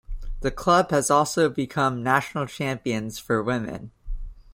The club has also become national champions for women.